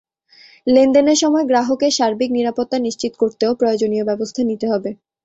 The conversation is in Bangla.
লেনদেনের সময় গ্রাহকের সার্বিক নিরাপত্তা নিশ্চিত করতেও প্রয়োজনীয় ব্যবস্থা নিতে হবে।